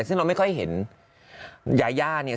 ซึ่งเราไม่ค่อยเห็นยาย่าเนี่ย